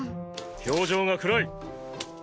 表情が暗い！